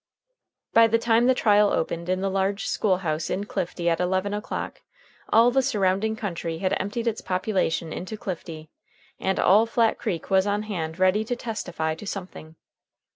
By the time the trial opened in the large school house in Clifty at eleven o'clock, all the surrounding country had emptied its population into Clifty, and all Flat Creek was on hand ready to testify to something.